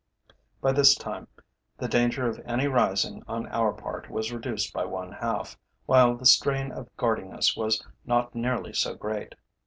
By this course the danger of any rising on our part was reduced by one half, while the strain of guarding us was not nearly so great.